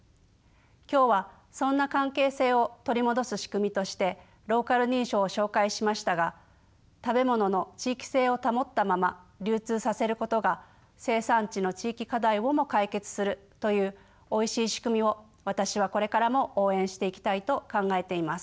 今日はそんな関係性を取り戻す仕組みとしてローカル認証を紹介しましたが食べ物の地域性を保ったまま流通させることが生産地の地域課題をも解決するというおいしい仕組みを私はこれからも応援していきたいと考えています。